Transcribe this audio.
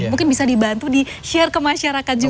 mungkin bisa dibantu di share ke masyarakat juga